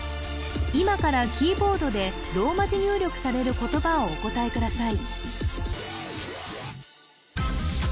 今からキーボードでローマ字入力される言葉をお答えください